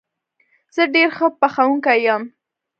زه ډېر ښه پخوونکی یم